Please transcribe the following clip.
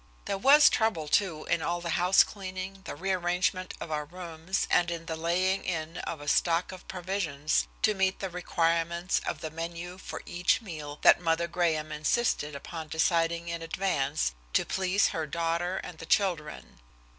There was trouble, too, in all the housecleaning, the re arrangement of our rooms and in the laying in of a stock of provisions to meet the requirements of the menu for each meal that Mother Graham insisted upon deciding in advance to please her daughter and the children.